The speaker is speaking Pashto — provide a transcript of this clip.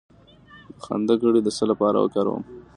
د فندق غوړي د څه لپاره وکاروم؟